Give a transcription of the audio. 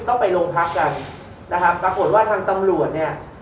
ต้องไปโรงพักกันนะครับปรากฏว่าทางตำรวจเนี่ย